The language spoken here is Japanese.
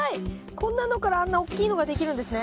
こんなのからあんなおっきいのができるんですね。